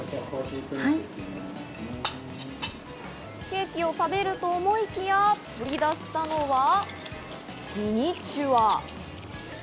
ケーキを食べると思いきや、取り出したのは、ミニチュア。